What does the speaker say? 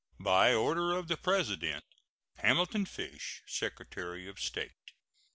By order of the President: HAMILTON FISH, Secretary of State.